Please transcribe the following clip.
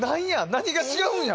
何が違うんや？